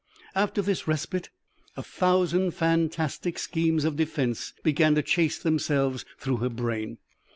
After this respite, a thousand fantastic schemes of defense began to chase themselves through her brain.